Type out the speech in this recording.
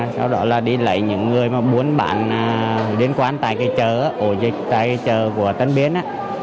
sau đó là đi lấy những người mà bốn bạn đến quán tại cái chợ ổ dịch tại chợ của tân biên